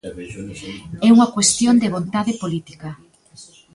É unha cuestión de vontade política.